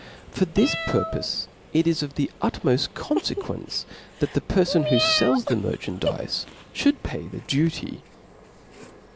For this purpofe it is of the utmoft con Chap. 7. fequence, that the perfon who fells the merchandize Ihould pay the duty.